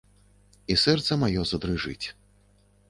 І сэрца маё задрыжыць.